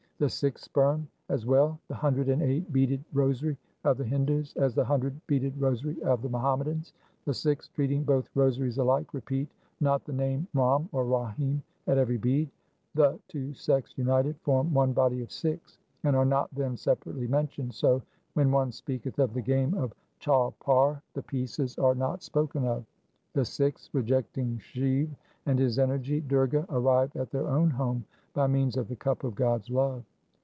The Sikhs spurn as well the hundred and eight beaded rosary of the Hindus as the hundred beaded rosary of the Muhammadans. The Sikhs, treating both rosaries alike, repeat not the name Ram or Rahim at every bead. The two sects united form one body of Sikhs, and are not then separately mentioned, so when one speaketh of the game of chaupar the pieces are 1 XXXVIII. 2 I. 3 XXXIX. BHAI GUR DAS'S ANALYSIS 273 not spoken of. The Sikhs rejecting Shiv and his energy Durga arrive at their own home by means of the cup of God's love.